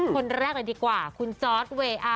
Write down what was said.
คนแรกเลยดีกว่าคุณจอร์ดเวอาร์